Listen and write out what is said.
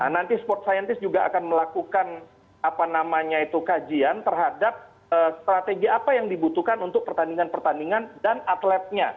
nanti sport scientist juga akan melakukan kajian terhadap strategi apa yang dibutuhkan untuk pertandingan pertandingan dan atletnya